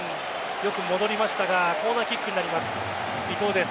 よく戻りましたがコーナーキックになります。